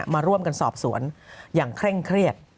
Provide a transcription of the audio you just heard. มาร่วมกันสอบสวนอย่างเคร่งเครียด